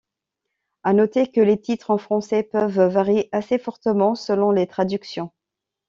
À noter que les titres en français peuvent varier assez fortement selon les traductions.